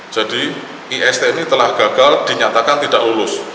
jadi ist ini telah gagal dinyatakan tidak lulus